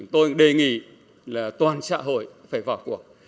tôi đề nghị toàn xã hội phải vào cuộc